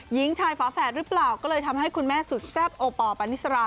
หญิงชายฝาแฝดหรือเปล่าก็เลยทำให้คุณแม่สุดแซ่บโอปอลปานิสรา